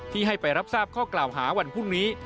ให้ไปรับทราบข้อกล่าวหาวันพรุ่งนี้